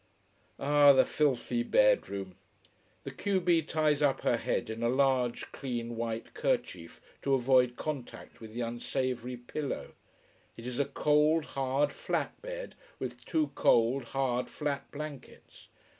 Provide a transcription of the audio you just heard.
Ah, the filthy bedroom. The q b ties up her head in a large, clean white kerchief, to avoid contact with the unsavory pillow. It is a cold, hard, flat bed, with two cold, hard, flat blankets.